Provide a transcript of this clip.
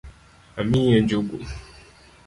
Amiyie njugu?